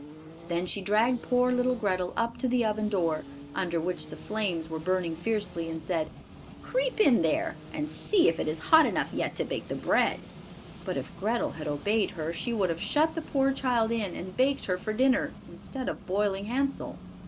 Then she dragged poor little Grethel up to the oven door, under which the flames were burning fiercely, and said: "Creep in there, and see if it is hot enough yet to bake the bread." But if Grethel had obeyed her, she would have shut the poor child in and baked her for dinner, instead of boiling Hansel.